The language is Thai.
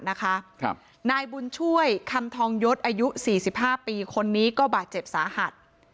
นายบุญช่วยคำทองยศอายุ๔๕ปีคนนี้ก็บาดเจ็บสาหัส